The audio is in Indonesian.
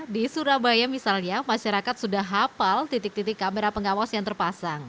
di surabaya misalnya masyarakat sudah hafal titik titik kamera pengawas yang terpasang